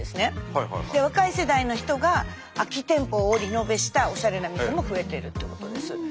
で若い世代の人が空き店舗をリノベしたおしゃれな店も増えてるってことです。